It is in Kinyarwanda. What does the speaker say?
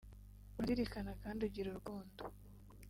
urazirikana kandi ugira urukundo”